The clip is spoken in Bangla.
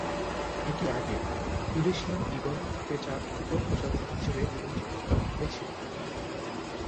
এটি আগে ইউরেশিয়ান ঈগল-পেঁচার উপ-প্রজাতি হিসাবে বিবেচিত হয়েছিল।